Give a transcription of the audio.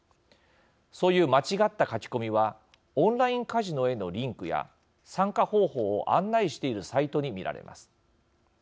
そういう間違った書き込みはオンラインカジノへのリンクや参加方法を案内しているサイトに見られます。